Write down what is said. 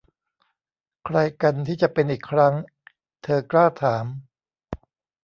'ใครกันที่จะเป็นอีกครั้ง ? ' เธอกล้าถาม